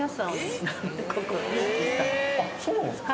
あっそうなんですか？